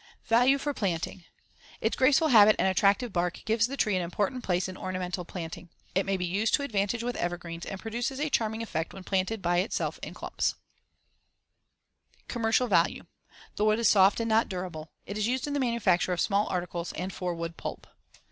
Value for planting: Its graceful habit and attractive bark gives the tree an important place in ornamental planting. It may be used to advantage with evergreens, and produces a charming effect when planted by itself in clumps. [Illustration: FIG. 52. Bark of the Beech.] [Illustration: FIG. 53. Buds of the Beech Tree.] Commercial value: The wood is soft and not durable. It is used in the manufacture of small articles and for wood pulp.